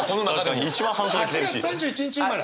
８月３１日生まれ？